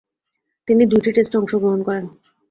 তিনি দুইটি টেস্টে অংশগ্রহণ করেন।